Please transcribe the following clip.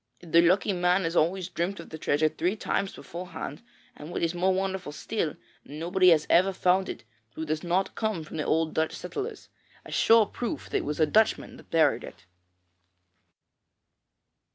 The lucky man has always dreamt of the treasure three times beforehand, and, what is more wonderful still, nobody has ever found it who does not come from the old Dutch settlers a sure proof that it was a Dutchman that buried it.'